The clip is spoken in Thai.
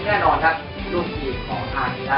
ซึ่งแน่นอนดูลวินของทางนี้ล่ะ